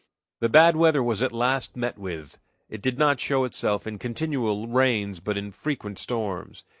The bad weather was at last met with. It did not show itself in continual rains, but in frequent storms.